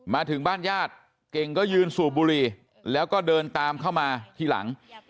มาถึงบ้านญาติเก่งก็ยืนสูบบุหรี่แล้วก็เดินตามเข้ามาทีหลัง